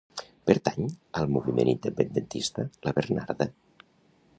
Pertany al moviment independentista la Bernarda?